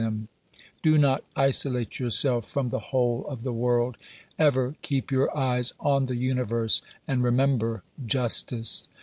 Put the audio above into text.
1 OBERMANN 99 Do not isolate yourself from the whole of the world, ever keep your eyes on the universe, and remember justice.